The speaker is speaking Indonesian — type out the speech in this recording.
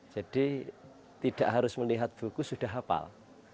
jadi tidak harus melihat buku sudah hafal